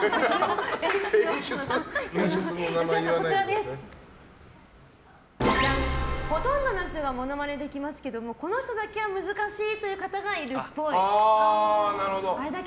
よしまささん、ほとんどの人がモノマネできるけどこの人だけは難しいという方がいるっぽい。